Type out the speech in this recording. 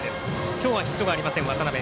今日はヒットありません、渡辺。